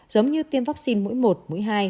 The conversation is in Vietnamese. giống như tiêm vaccine mũi một mũi hai